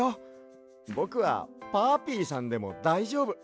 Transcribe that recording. ぼくはパーピーさんでもだいじょうぶ！